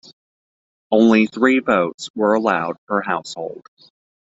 Only three votes were allowed per household.